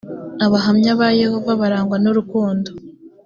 abahamya ba yehova barangwa n’urukundo.